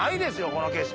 この景色。